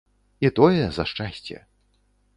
І тое за шчасце.